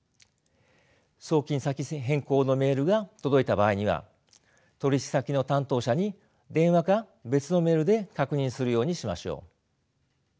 送金先変更のメールが届いた場合には取引先の担当者に電話か別のメールで確認するようにしましょう。